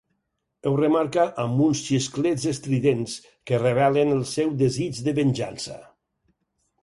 Ho remarca amb uns xisclets estridents que revelen el seu desig de venjança.